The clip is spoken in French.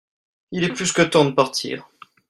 il est plus que temps de partir.